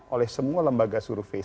oleh semua lembaga survei